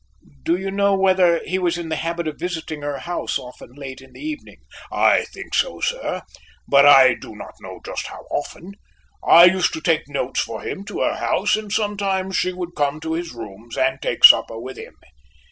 "Do you know whether he was in the habit of visiting her house often late in the evening?" "I think so, sir, but I do not know just how often. I used to take notes for him to her house, and sometimes she would come to his rooms and take supper with him."